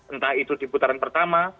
entah itu di putaran pertama